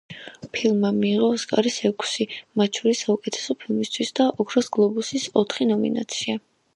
ფილმმა მიიღო ოსკარის ექვსი მათ შორის საუკეთესო ფილმისთვის და ოქროს გლობუსის ოთხი ნომინაცია.